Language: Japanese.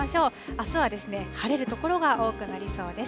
あすは晴れる所が多くなりそうです。